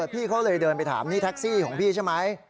พี่เขาเลยเดินไปถามนี่แท็กซี่ของพี่ใช่ไหม